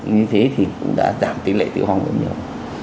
như thế thì cũng đã giảm tỉ lệ tiêu hoang rất nhiều